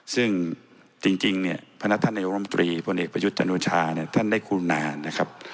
ซึ่งจริงเนี่ยพนักธรรมนิวอลมตรีพ่อเอกประยุทธจนูชาท่านได้คุณา